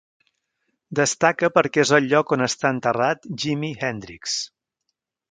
Destaca perquè és el lloc on està enterrat Jimi Hendrix.